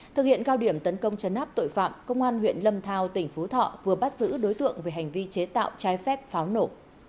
thực hiện cao điểm tấn công chấn áp tội phạm công an huyện lâm thao tỉnh phú thọ vừa bắt giữ đối tượng về hành vi chế tạo trái phép pháo nổ